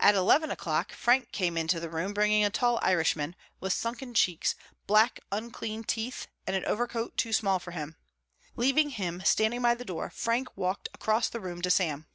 At eleven o'clock Frank came into the room bringing a tall Irishman, with sunken cheeks, black, unclean teeth, and an overcoat too small for him. Leaving him standing by the door, Frank walked across the room to Sam.